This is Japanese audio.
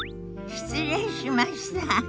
失礼しました。